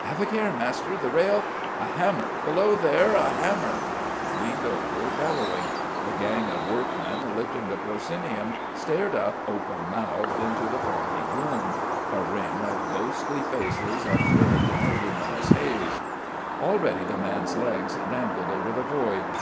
"Have a care, master: the rail " "A hammer! Below there. A hammer!" He leaned over, bellowing. The gang of workmen lifting the proscenium stared up open mouthed into the foggy gloom a ring of ghostly faces upturned in a luminous haze. Already the man's legs dangled over the void.